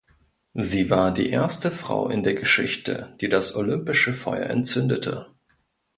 Sie war die erste Frau in der Geschichte, die das olympische Feuer entzündete.